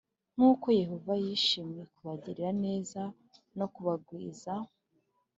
“Nk’uko Yehova yishimiye kubagirira neza no kubagwiza,